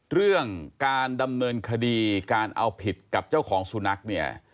เรื่องการดำเนินคดีการเอาผิดกับเจ้าของสุนัขเนี่ย